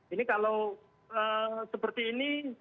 ini kalau seperti ini